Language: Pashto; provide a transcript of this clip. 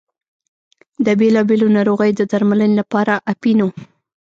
د بېلا بېلو ناروغیو د درملنې لپاره اپینو.